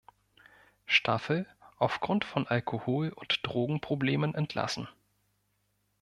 Staffel aufgrund von Alkohol- und Drogenproblemen entlassen.